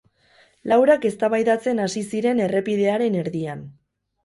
Laurak eztabaidatzen hasi ziren errepidearen erdian.